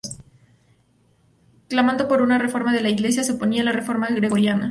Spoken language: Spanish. Clamando por una reforma de la Iglesia, se oponía a la reforma gregoriana.